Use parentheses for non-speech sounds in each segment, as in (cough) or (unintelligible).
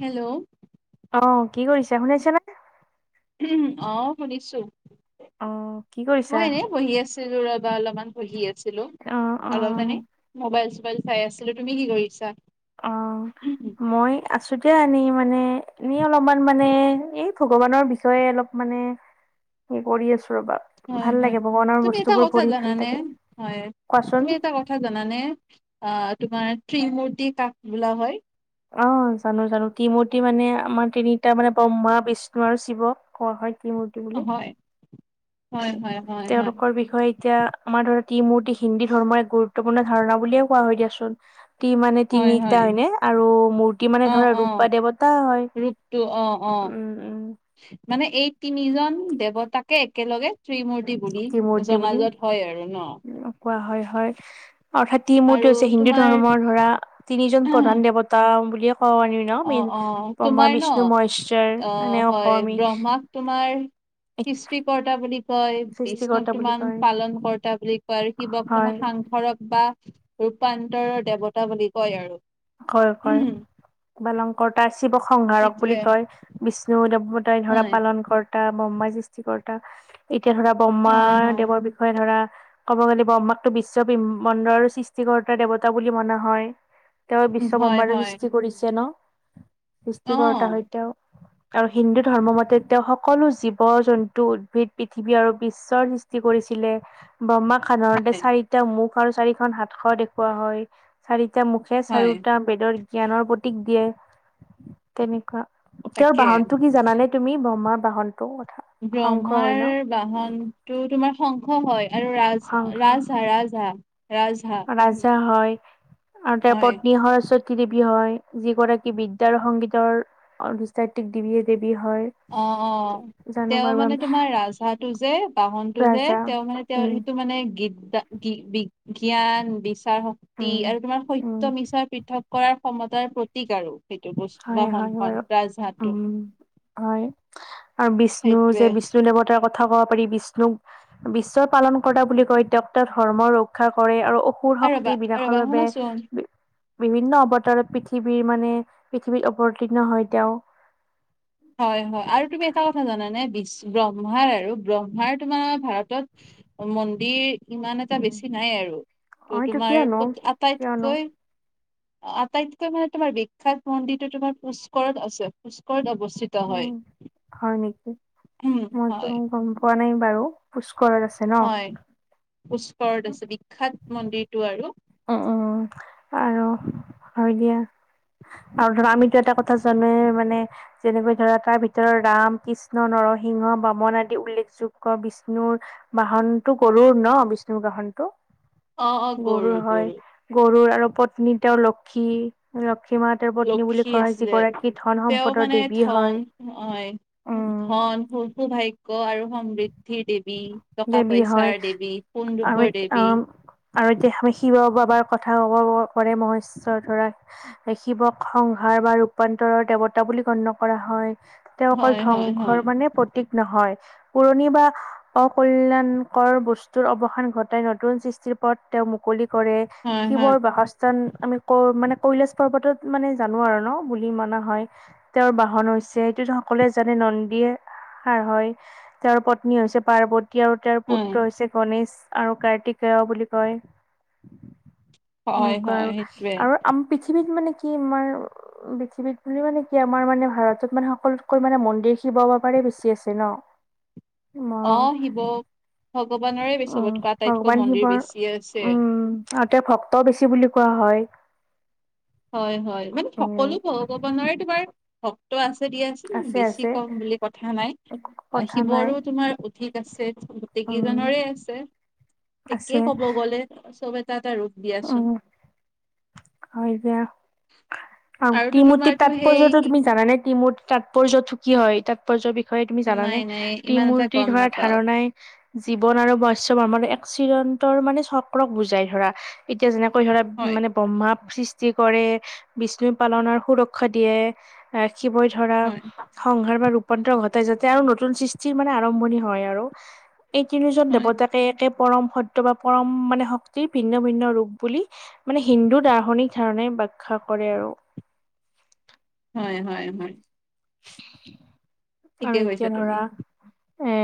Hello অ কি কৰিছে শুনাইছে নে অ শুনিছো অ কি কৰিছা মই এনে বহি আছো অলপ আ বহি আছিলোঁ অ অ অলপ মানে মোবাইল চোবাইল চাই আছিলো তুমি কি কৰিছা? অ মই আছোতে আনি মানে এনে অলপমান মানে এই ভগৱানৰ বিষয়ে অলপ মানে কি কৰি আছো ৰবা হয় ভাল হয় লাগে ভগৱানৰ তুমি এটা বস্তুবোৰ কথা পঢ়ি জানা ভাল নে লাগে হয় কোৱাচোন তুমি এটা ক কথা জানানে অ তোমাৰ ত্ৰিমূৰ্তি কাক বোলা হয়। অ জানো জানো ত্ৰি মূৰ্তি মানে আমাৰ তিনিটা মানে ব্ৰহ্মা বিষ্ণু আৰু শিৱ কোৱা হয় কি ম হয় হয় হয় হয় তেওঁলোকৰ বিষয়ে এতিয়া আমাৰ ধৰা ত্ৰিমূৰ্তি হিন্দু ধৰ্মৰ এক গুৰুত্বপূৰ্ণ ধাৰণা বুলিয়ে কোৱা হয় দিয়াচোন ত্ৰি মানে হয় হয় তিনিটা হয়নে আৰু মূৰ্তি মানে অ ধৰা অ ৰূপ বা দেৱতা হয়। ৰূপটো অ অ উম উম মানে এই তিনিজন দেৱতাকে একেলগে ত্ৰিমূৰ্তি বুলি ত্ৰিমূৰ্তি বুলি জনাজত হয় আৰু ন কোৱা হয় হয় অৰ্থাৎ আৰু ত্ৰিমূৰ্তি হৈছে হিন্দু তোমাৰ ধৰ্মৰ ধৰা তিনিজন প্ৰধান দেৱতা বুলিয়ে কব পাৰি। ন অ মেইন অ ব্ৰক্ষা তোমাৰ ন বিষ্ণু মহেশ্বৰ মানে অসমী মাক তোমাৰ কৃষ্টিক্তা বুলি কয় সৃষ্টিকৰ্তা বিষ্ণক বুলি তোমাৰ কয় পালন কৰ্তা বুলি কয় আৰু শিৱক হয় তমাক সাংসৰক বা ৰূপান্তৰৰ দেৱতা বুলি কয় আৰু হয় হয় উম বালং কৰ তাৰ শিৱসহাৰক বুলি সেইটোৱে কয় বিষ্ণু দেৱতাই ধৰা হয় পালন কৰ টা ব্ৰহ্মা সৃষ্টিকৰ্তা এতিয়া ধৰা ব্ৰহ্মা হয় হয় দেৱৰ বি বিষয়ে ধৰা ক'ব গ'লে ব্ৰহ্মাক টো বিশ্ব ব্ৰহ্মাণ্ডৰ সৃষ্টিকৰ্তা দেৱতা বুলি মনা হয়। তেওঁ বিশ্ব হয় বহ্মাৰে হয় সৃষ্টি কৰিছে ন অ সৃষ্টিকতা সৈতেও আৰু হিন্দু ধৰ্ম মতে তেওঁ সকলো জীৱ জন্তু উদ্ভিদ পৃথিৱী আৰু বিশ্বৰ কৰিছিলে ব্ৰহ্মাক সাধাৰণতে হয় চাৰিটা মুখ আৰু চাৰিখন হাতশৰ দেখুওৱা হয় চাৰিটা মুখে হয় চাৰিওটা বেদৰ জ্ঞানৰ প্ৰতীক দিয়ে তেনেকুৱা তেওঁৰ তাকে বাহনটো কি জানানে তুমি ব্ৰহ্মাৰ বাহনতটো ব্ৰহ্মাৰ বাহনতটো তোমাৰ শংখ হয় আৰু ৰাজ শংখ ৰাজ হা ৰাজ হাঁ ৰাজ হাঁ ৰাজ হাঁ হয় আৰু তেওঁৰ পত্নী হয় ওচত কি দেৱী হয় যি গৰাকী বিদ্যা আৰু সংগীতৰ অৰ্ধষ্টাত্বিক দেৱী দেৱী হয় অ অ জানো তেওঁ বাৰু আমি মানে তোমাৰ ৰাজহাটো যে বাহনতটো যে ৰাজা তেওঁ মানে তেওঁ উম সেইটো মানে গীতদা কি বি বিজ্ঞান বিচাৰ শক্তি উম আৰু তোমাৰ উম সত্য মিছাৰ পৃথক কৰাৰ ক্ষমতাৰ প্ৰতীক আৰু সেইটো বস্তু হয় হয় বাৰু বাহনখন ৰাজহা উম টো হয় আৰু বিষ্ণু যে সেইটোৱে বিষ্ণু দেৱতাৰ কথা কথা কব পাৰি বিষ্ণুক বিশ্বৰ পালন কৰা বুলি কয় তেওঁক ত ধৰ্ম ৰক্ষা কৰে আৰু সুৰ আৰু ৰবা শক্তি বিনাশৰ ৰবা বাবে শুনাচোন বিভিন্ন অৱতাৰত পৃথিৱীৰ মানে পৃথিৱীত অৱতীৰ্ণ হয় তেওঁ হয় হয় আৰু তুমি এটা কথা জানানে ব্ৰহ্মাৰ আৰু ব্ৰহ্মাৰ তোমাৰ ভাৰতত। মন্দিৰ ইমান এটা উম বেছি নাই আৰু তো অ এইটো তোমাৰ কিয়নো আটাইতকৈ (unintelligible) আটাইতকৈ মানে তোমাৰ বিখ্যাত মন্দিৰটো তোমাৰ পুস্কৰত আছে পুস্কৰত অৱস্থিত। উম হয়। হয় নেকি উম মইতো হয় গম পোৱা নাই বাৰু পুষ্কৰত আছে। ন হয় পুষ্কৰত আছে বিখ্যাত মন্দিৰটো আৰু উম উম আৰু হয় দিয়া আৰু ধৰা আমিতো এটা কথা জানেৱে মানে যেনেকৈ ধৰা তাৰ ভিতৰত ৰাম কৃষ্ণ নৰসিংহ বামন আদি উল্লেখযোগ্য বিষ্ণুৰ বাহনতটো গৰুৰ ন বিষ্ণুৰ বাহনটো অ অ গৰু হয় গৰুৰ আৰু পত্নী তেওঁৰ লক্ষী লক্ষ্মী মাঁ তেও পত্নী বুলি লক্ষী কয় আছিলে যিগৰাকী ধন তেওঁ সম্পদৰ মানে দেৱী হয় ধন হয় উম, ধন ফুলটো ভাইক গ আৰু সমৃদ্ধিৰ দেৱী টকা দেৱী হয় পইচাৰ দেৱী সোন- আৰু ৰূপৰ দেৱী আহ আৰু এতিয়া আমি শিৱ বাবাৰ কথা কব পাৰে মহেশ্বৰ ধৰা শিৱক সংহাৰ বা ৰূপান্তৰৰ দেৱতা বুলি গণ্য কৰা হয় তেওঁ অকল হয় হয় ধ্বংসৰ হয় মানে প্ৰতীক নহয় পুৰণি বা অকল্যাণকৰ বস্তুৰ অৱসান ঘটাই নতুন সৃষ্টিৰ পথ তেওঁ মুকলি কৰে হয় হয় শিৱৰ বাসস্থ আমি ক মানে কৈলাশ পৰ্বতত মানে জানো আৰু ন বুলি মনা হয় তেওঁৰ বাহন হৈছে এইটো সকলোৱে জানে নন্দীয়ে সাৰ হয় তেওঁৰ পত্নী হৈছে পাৰ্বতী আৰু তেওঁৰ হয় পুত্ৰ হৈছে গণেশ আৰু কাৰ্তিকেয় বুলি কয় হয় নেকুৱা হয় আৰু সেইটোৱে আৰু আম পৃথিৱীত মানে কি আমাৰ পৃথিৱীত বুলি মানে কি আমাৰ মানে ভাৰতত মানে সকলোতকৈ মানে মন্দিৰ শিৱ বাবাৰে বেছি আছে ন ম অ শিৱ ভগৱানৰে উম চবতক আটাইতকৈ মন্দিৰ বেছিয়ে আছে তাতে ভক্তৰ বেছি বুলি কোৱা হয় হয় হয় মানে সকলো উম ভগৱানৰে তোমাৰ ভক্ত আছে দি আছিল আছে আছে বেছি কম বুলি কথা নাই একো কথা নাই শিৱৰো তোমাৰ পুথিক আছে উম গোটকেইজনৰে আছে আছে তাকেই ক'ব গ'লে চব এটা এটা ৰূপ দিয়াচোন উম হয় এতিয়া আৰু আৰুতো ত্ৰি-মূৰ্তি তোমাৰতো সেই তাৎপৰ্য্য কি তুমি জানানে ত্ৰি-মূৰ্তি তাৎপৰ্যটো কি হয় তাৎপৰ্যৰ বিষয়ে তুমি জানা নাই নে? নাই ত্ৰি ইমান এটা মূৰ্তি গম ধৰা নাপাও। ধাৰণাই জীৱন আৰু বৈশৱ আমাৰ এক চিৰন্তনৰ মানে চক্ৰক বুজাই ধৰা। এতিয়া যেনেকৈ ধৰা হয়, মানে ব্ৰহ্মা সৃষ্টি কৰে বিষ্ণু পালন সুৰক্ষা দিয়ে, শিৱই ধৰা হয়, সংসাৰ বা ৰূপান্তৰ ঘটাই যাতে আৰু নতুন সৃষ্টিৰ মানে আৰম্ভণি হয় আৰু। এই তিনিজন হয়, দেৱতাকে একে পৰম সত্য বা পৰম মানে শক্তিৰ ভিন্ন ভিন্ন ৰূপ বুলি মানে হিন্দু ধা ৰনিক ধাৰণে ব্যখ্যা কৰে আৰু। হয় হয় হয়। ঠিকে আৰু এতিয়া কৈছা তুমি। ধৰা এ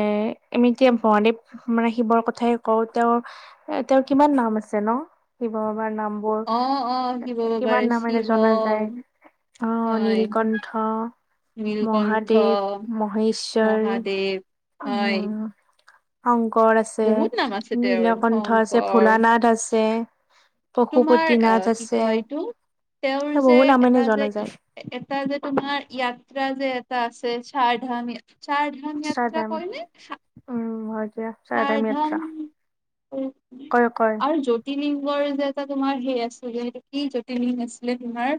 আমি এতিয়া মহাদেৱ মানে শিৱৰ কথাই কওঁ তেওঁৰ এ তেওঁৰ কিমান নাম আছে ন শিৱ বাবাৰ নাম অ', অ' বোৰ শিৱ বাবাৰ কিমান শিৱ নামেৰে জনা যায়। অঁ হয়, নীলকণ্ঠ, নীলকণ্ঠ, মহাদেৱ, মহেশ্বৰ মহাদেৱ হয়, উম। শংকৰ আছে, বহুত নাম আছে তেওঁৰ। নীলকণ্ঠ আছে, শংকৰ ভোলানাথ আছে। তোমাৰ অ পশুপতিনাথ কি আছে কয় এইটো তেওঁৰ যে বহু নামেৰে এটা যে জনা ই যায় এটা যে তোমাৰ য়াত্ৰা যে এটা আছে চাৰ ধাম চাৰ চাৰধাম উম হয় দিয়া। চাৰধাম কয় কয় আৰু জ্যো তিলিংগযে এটা তোমাৰ সেই আছিলে কি জ্যোতিলিংগ আছিলে তোমাৰ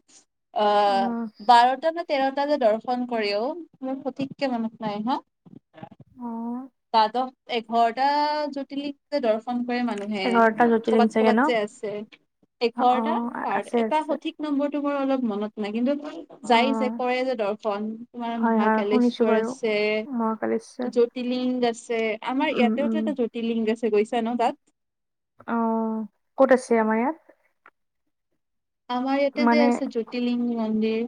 উম অ' বাৰটা না তেৰটা যে দৰ্শন কৰে ঔ মোৰ সঠিককে মনত নাই। হা? অ দ্বাদশ এঘাৰটা জ্যোতিলিংগ যে দৰ্শন কৰে মানু হে এঘাৰটা জ্যোতিলিং কৰ'বাত চাগে ন ক'ৰবাত যে আছে অ', এঘাৰটা অ', আছে বাৰটা এটা আছে সঠিক নম্বৰটো মোৰ অলপ মনত নাই কিন্তু যায় যে অ', কৰে যে দৰ্শন তোমাৰ হয় হয় শুনিছো মহাকালেশ্বৰ বাৰু। আছে। মহাকালেশ্বৰ জ্যোতিলিংগ আছে আমাৰ উম, উম, ইয়াতেতো এটা জ্যোতিলিংগ আছে গৈছা ন তাত? অ' ক'ত আছে আমাৰ ইয়াত? আমাৰ ইয়াতে যে মানে আছে জ্যোতিলিংগ মন্দিৰ।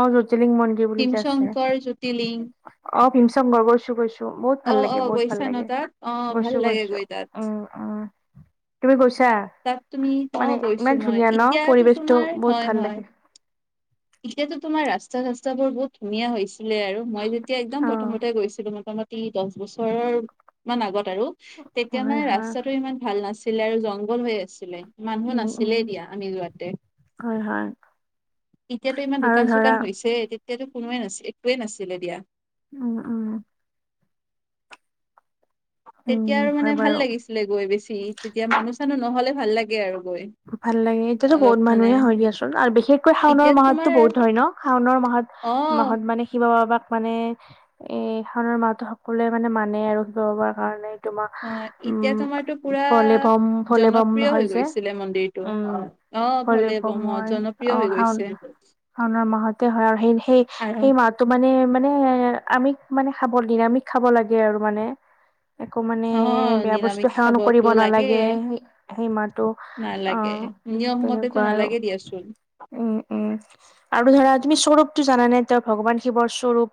অঁ জ্যোতিলিংগ মন্দিৰ বুলি যে আছে। ভীমশংকৰ জ্যোতিলিংগ অঁ ভীমশঙ্কৰ গৈছো গৈছো। বহুত অ ভাল অ লাগে বহুত ভাল গৈছা ন লাগে তাত অ ভাল গৈছো লাগে গৈছো গৈ তাত উম। অঁ তুমি গৈছা? তাত তুমি অ মানে গৈছো ইমান মই ধুনীয়া ন এতিয়াতো পৰিৱেশটো তোমাৰ বহুত হয় ভাল হয় লাগে। এতিয়াতো তোমাৰ ৰাস্তা চাস্তা বোৰ বহুত ধুনীয়া হৈছিলে আৰু মই যেতিয়া একদম অ', প্ৰথমতে গৈছিলো মতামতে দছ বছৰৰ মান আগত আৰু তেতিয়া হয় মানে হয়। ৰাস্তাটো ইমান ভাল না ছিলে আৰু জংঘল হৈ আছিলে। মানুহ উম, উম, নাছিলে দিয়া আমি যোৱাতে। হয় হয়। এতিয়াতো ইমান আৰু দোকান চোকান ধৰা হৈছে। তেতিয়াতো কোনোৱে নাছি একোৱে নাছিলে দিয়া। অঁ অঁ। তেতিয়া উম, আৰু হয় মানে ভাল বাৰু। লাগিছিলে গৈ বেছি তেতিয়া মানুহ চানুহ নহ'লে ভাল লাগে আৰু গৈ। ভাল লাগে এতিয়াতো অলপ বহুত মানে মানুহে হয় দিয়াচোন আৰু বিশেষকৈ শাওণৰ এতিয়াতো তোমাৰ মাহতো বহুত হয় ন শাওনৰ মাহত অ মাহত মানে শিৱ বাবাক মানে। এ শাওণৰ মাহটো সকলোৱে মানে মানে আৰু শিৱ বাবাৰ কাৰণে। তোমাৰ অঁ এতিয়া উম তোমাৰতো পুৰা ভলেবম ভলেবম জনপ্ৰিয় হয় হৈ যে গৈছিলে মন্দিৰটো। উম অ ভলে ভলেবম বোম অ হয় অ জনপ্ৰিয় হৈ শাওন গৈছে। শাওনৰ মাহতে হয। আৰু সেই সেই আৰু সেই মাহ মাহ তো মানে মানে আমি মানে খাব দিন আমি খাব লাগে আৰু মানে একো মানে অ বেয়া বস্তু নিৰামিষ সেৱন কৰিব খাবতো লাগে নালাগে। সেই মাহতো অ, নালাগে নিয়ম মতেতো তেনেকুৱা আৰু নালাগে দিয়াচোন উম, উম, আৰু ধৰা তুমি স্বৰূপটো জানানে তেওঁ ভগৱান শিৱৰ স্বৰূপ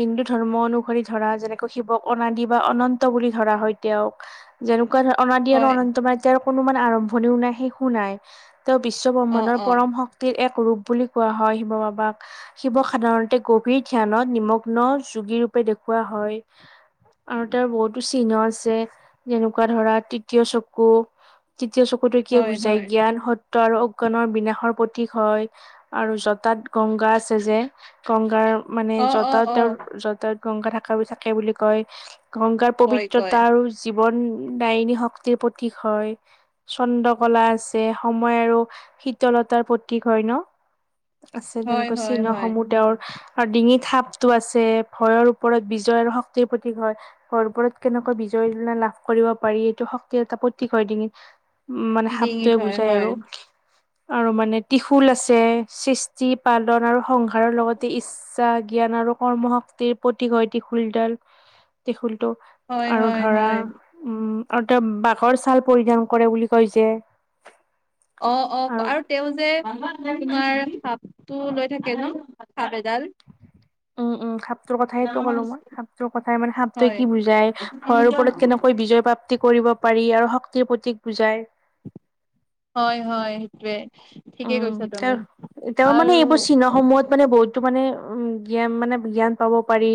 হিন্দু ধৰ্ম অনুসৰি ধৰা যেনেকৈ শিৱক অনাদি বা অনন্ত বুলি ধৰা হয়। তেওঁক যেনেকুৱা ধৰ অনাদি আৰু হয় অনন্ত মাইদ্যৰ কোনো আৰম্ভণিও নাই শেষো নাই তেওঁ বিশ্ব অ ব্ৰহ্মাণৰ অ পৰম শক্তিৰ এক ৰূপ বুলি কোৱা হয়। শিৱ বাবাক শিৱ সাধাৰণতে গভীৰ ধ্যানত নিমগ্ন যোগীৰ ৰূপে দেখুওৱা হয়। আৰু তাৰ বহুতো চিহ্ন আছে। যেনেকুৱা ধৰা তৃতীয় চকু তৃতীয় চকুতো কিয় হয় বুজাই হয় জ্ঞান সত ত আৰু অজ্ঞানৰ বিনাশৰ প্ৰতীক হয়। আৰু জটাত গংগা আছে যে। গংগাৰ মানে অ অ জটাত অ তেওঁ জটাত গংগা থকা থাকে বুলি কয়। গংগাৰ কয় কয় পবিত্ৰতা আৰু জীৱন দায়িনী শক্তিৰ প্ৰতীক হয়। চন্দ্ৰকলা আছে সময় আৰু শীতলতাৰ প্ৰতীক হয় ন? আছে হয় তেনেকৈ হয় চিহ্ন হয় সমূহ তেওঁৰ আৰু ডিঙিত সাপটো আছে। ভয়ৰ ওপৰত বিজয় আৰু শক্তিৰ প্ৰতীক হয়। ভৰ ওৰত কেনেকৈ বিজয় তলনা লাভ কৰিব পাৰি এইটো শক্তিৰ এটা প্ৰতীক হয় ডিঙিত উম মানে সাপটোৱে ডিঙিত হয় বুজাই হয় আৰু আৰু মানে টিশুল আছে। সৃষ্টি পালন আৰু সংসাৰৰ লগতে ইচ্ছা জ্ঞান আৰু কৰ্ম শক্তিৰ প্ৰতীক হয়। টিশুলডাল টিশুলটোহ হয় আৰু হয় ধৰা হয় উম আৰু তেওঁ বাঘৰ ছাল পৰিধান কৰে বুলি কৈ যে অ, অ আৰু তেওঁ যে তোমাৰ সাপটো লৈ থাকে ন সাপ এডাল উম উম সাপটোৰ কথাইতটো ক'লো মই সাপটোৰ কথাই মানে সাপটোৱে কি বুজাই। হৰ হয় ওপৰত কেনেকৈ বিজয় প্ৰাপ্তি কৰিব পাৰি আৰু শক্তিৰ প্ৰতীক বুজাই। হয় হয় সেইটোৱে। ঠিকে উম কৈছা তুমি তেওঁৰ তেওঁৰ মানে আৰু এইবোৰৰ চিহ্নসমূহত মানে বহুতো মানে উম জ্ঞান মানে জ্ঞান পাব পাৰি।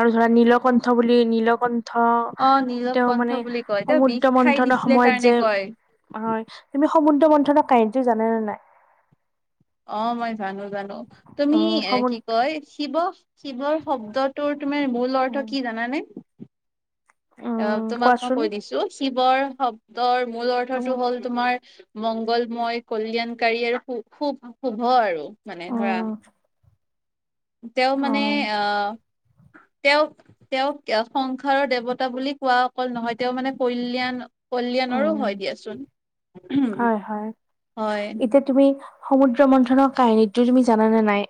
আৰু ধৰা নীলকণ্ঠহ বুলি নীলকণ্ঠ ধহ অ নীলৱ তেওঁ কণ্ঠ মানে বুলি কয় তেওঁ বিষ সমুদ্ৰ খাই মন্থনৰ দিছিলে সময়ত কাৰণে যে কয় হয় তুমি সমুদ্ৰ মন্থনৰ কাহিনীটো জানেনে নাই? অ মই জানোঁ জানোঁ তুমি উম এ সমু কি কয় শিৱ শিৱৰ শব্দত তোৰ তোমাৰ মূল অৰ্থ উম কি জানানে? আপ উম তোমাক মই কোৱাচোন কৈ দিছোঁ শিৱৰ শব্দৰ মূল উম অৰ্থটো হ'ল তোমাৰ মংগলময় কল্যাণকাৰী আৰু খুব শুভ আৰু মানে ধৰাহ উম তেওঁ মানে হয় আহ তেওঁক তেওঁক কিয়া সংসাৰৰ দেৱতা বুলি কোৱা অকল নহয় তেওঁ মানে কল্যাণ কল্যাণৰো উম হয় দিয়াচোন হয় হয় হুম হয় এতিয়া তুমি সমুদ্ৰ মন্থনৰ কাহিনীটো তুমি জানানে নাই?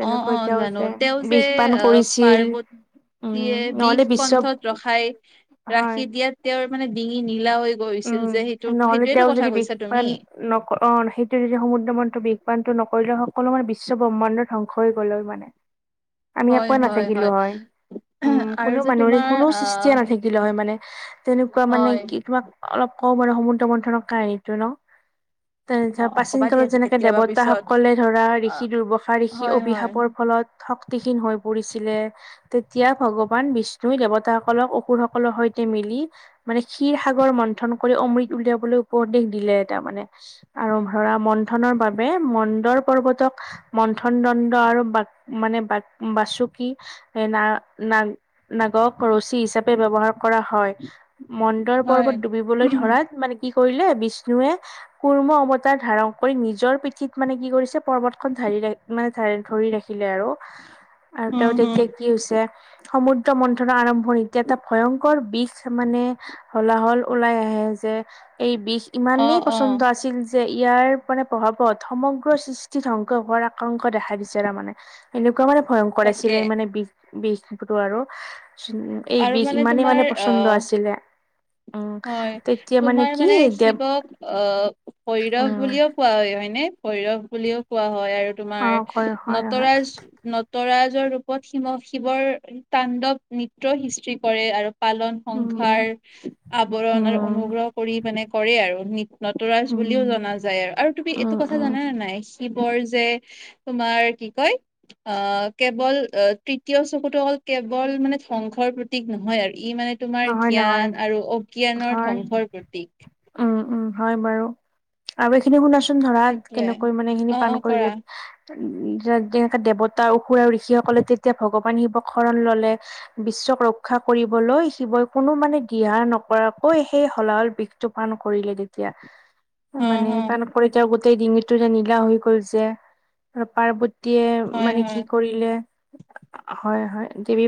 অ', অ', তেওঁ জানো যে তেওঁ বিষ পান কৰিছিল। দিয়ে উম নহলে বিষ বিশ্ব কণ্ঠত ৰখাই হয় ৰাখি দিয়েত তেওঁৰ মানে ডিঙি নীলা হৈ গৈছিল যে উম সেইটো নহলে সেইটোৱেতো তেওঁ যদি কথা কৈছা বিষপান তুমি নক অ সেইটো যদি সমুদ্ৰ মন্ত বিষ পানটো নকৰিলে সকলো মানে বিশ্ব ব্ৰহ্মাণ্ডত ধ্বংস হৈ গ'লেই মানে। আমি হয়, একোৱে হয়, নাথাকিলোঁ হয়। উম, আৰু কোনো যে মানুহৰে তোমাৰ কোনোৱে আহ সৃষ্টিয়ে নাথাকিলে হয় মানে, তেনেকুৱা মানে হয় কি তোমাক অলপ কওঁ বাৰু সমুদ্ৰ মন্থনৰ কাহিনীটো ন? তেনে অ', অ', প্ৰাচীন ক'বা দিয়া কালত যেনেকে কেতিয়াবা পিছত দেৱতাসকলে ধৰা অ', ঋষি দুৰ্বাসা ঋষি হয়, হয়, অভিশাপৰ ফলত শক্তিহীন হৈ পৰিছিলে। তেতিয়া ভগৱান বিষ্ণুই দেৱতাসকলক অসুৰ সকলৰ সৈতে মিলি মানে ক্ষিৰ সাগৰ মন্থন কৰি অমৃত উলিয়াবলৈ উপদেশ দিলে তাৰমানে। আৰু ধৰা মন্থনৰ বাবে মন্দৰ পৰ্বতক মন্থন দণ্ড আৰু বাক মানে বাক বাসুকি এ না ন নাগক ৰচী হিচাপে ব্যৱহাৰ কৰা হয়। মন্দৰ হয়। পৰ্বত ডুবিবলৈ ধৰাত মানে কি কৰিলে বিষ্ণুৱে কুৰ্ম অৱতাৰ ধাৰণ কৰি নিজৰ পিঠিত মানে কি কৰিছে পৰ্বতখন ধাৰি ৰাখি মানে ধৰি ৰাখিলে আৰু। আৰু উম, তেওঁ হম, তেতিয়া কি হৈছে সমুদ্ৰ মন্থনৰ আৰম্ভণিতে এটা ভয়ংকৰ বিষ মানে হলা হল ওলাই আহে, যে এই বিষ অ', ইমানেই অ', প্ৰচন্দ আছিল যে ইয়াৰ মানে প্ৰভাৱত সমগ্ৰ সৃষ্টি ধ্বংস হোৱাৰ আকাংক দেখা দিছে আৰু তাৰমানে। এনেকুৱা মানে ভয়ংকৰ আছিলে তাকে। মানে বি বিষটো আৰু এই আৰু বিষ ইমানেই তোমাৰ মানে প্ৰচন্দ আহ আছিলে। উম হয়, তেতিয়া তোমাৰ কি মানে দেৱ শিৱক আহ ভৈৰৱ উম বুলিও কোৱা হয় হয়নে? ভৈৰৱ বুলিও কোৱা হয় আৰু অ তোমাৰ কয় হয় হয় নটৰাজ নটৰাজৰ ৰূপত শিৱ শিৱৰ তাণ্ডৱ নৃত্য সৃষ্টি কৰে। আৰু পালন সংসাৰ উম। আৱৰণ আৰু উম, অনুগ্ৰহ কৰি মানে কৰে আৰু নৃত্য। নটৰাজ উম, বুলিও জনা যায় আৰু। আৰু তুমি এইটো উম, কথা উম, জানা নে নাই? শিৱৰ যে তোমাৰ কি কয় অ' কেৱল অ' তৃতীয় চকুটো অকল কেৱল মানে ধ্বংসৰ প্ৰতীক নহয় আৰু ই মানে তোমাৰ নহয়, নহয়, জ্ঞান আৰু অজ্ঞানৰ হয়। ধ্বংসৰ প্ৰতীক। উম, উম হয় বাৰু। আৰু এইখিনি শুনাচোন ধৰা সেইটোৱে কেনেকৈ মানে এইখিনি অ অ পান কৰিলে। কৰা উ যেনেকে দেৱতা অসুৰ আৰু ঋষিসকলে তেতিয়া ভগৱান শিৱক শৰণ ললে। বিশ্বক ৰক্ষা কৰিবলৈ শিৱই কোনো মানে দিহা নকৰাকৈ সেই হলা হল বিষটো পান কৰিলে তেতিয়া। অ মানে অ পান কৰি গোটেই ডিঙিটো যে নীলা হৈ গ'ল যে, আৰু পাৰ্বত তীয়ে হয় মানে হয় কি কৰিলে, হয় হয় দেৱী